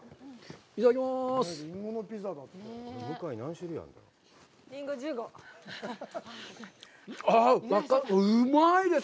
いただきます。